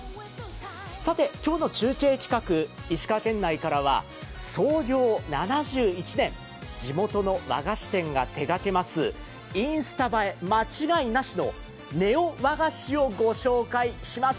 さて、今日の中継企画、石川県内からは創業７１年、地元の和菓子店が手がけますインスタ映え間違いなしのネオ和菓子をご紹介します。